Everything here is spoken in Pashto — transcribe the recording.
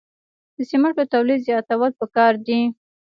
د سمنټو تولید زیاتول پکار دي